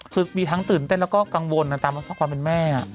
คือมีทั้งตื่นเต้นแล้วก็กังวลตามความเป็นแม่